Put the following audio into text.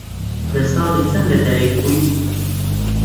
لە ساڵی چەند لەدایک بوویت؟